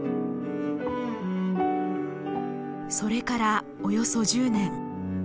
それからおよそ１０年。